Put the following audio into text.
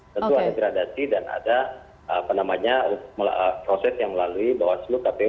jadi ada gradasi dan ada proses yang melalui bahwa seluruh kpu